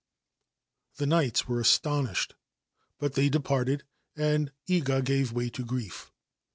The knights were astonished ; but they departed, and a. gave way to grief.